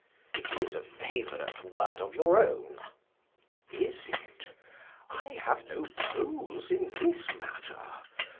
It is a favourite word of your own? Is it? I have no pose in this matter.